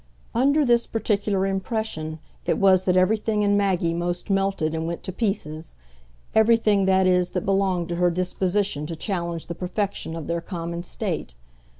Under this particular impression it was that everything in Maggie most melted and went to pieces every thing, that is, that belonged to her disposition to challenge the perfection of their common state.